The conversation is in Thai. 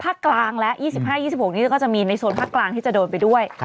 กลางและ๒๕๒๖นี้ก็จะมีในโซนภาคกลางที่จะโดนไปด้วย